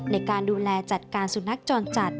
ในการดูแลจัดการศูนรักษณะจรจัด